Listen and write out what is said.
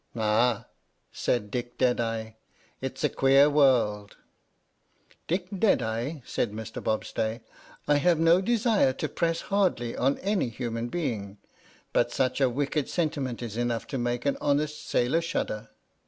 "Ah," said Dick Deadeye, " it's a queer world!" " Dick Deadeye," said Mr. Bobstay, " I have no desire to press hardly on any human being, but such a wicked sentiment is enough to make an honest sailor shudder."